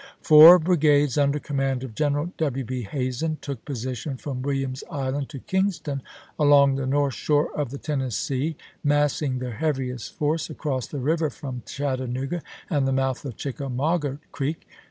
Four brigades, under command of General W. B. Hazen, took position from Williams Island to Kingston along the north shore of the Tennessee, massing their heaviest force across the river from Chattanooga and the mouth of Chicka mauga Creek.